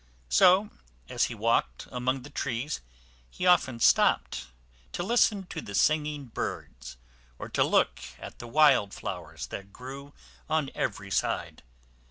So, as he walked among the trees, he often stopped to listen to the singing birds, or to look at the wild flowers that grew on every side.